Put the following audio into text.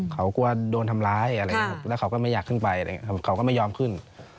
เขากลัวโดนทำร้ายแล้วเขาก็ไม่อยากขึ้นไปเขาก็ไม่ยอมขึ้น